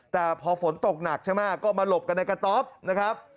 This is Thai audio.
แต่พอฝนตกหนักใช่ไหมก็มาหลบกันในกระต๊อบนะครับ